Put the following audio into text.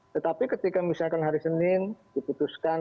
tetapi ketika misalkan hari senin diputuskan